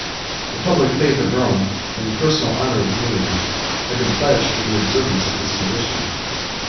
The public faith of Rome, and the personal honor of Julian, had been pledged for the observance of this condition.